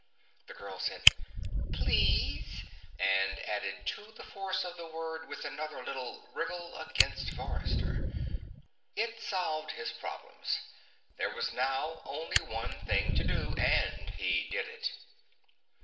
The girl said: "Please," and added to the force of the word with another little wriggle against Forrester. It solved his problems. There was now only one thing to do, and he did it.